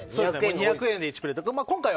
２００円で１プレイとか。